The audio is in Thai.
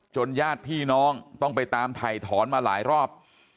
ญาติพี่น้องต้องไปตามถ่ายถอนมาหลายรอบ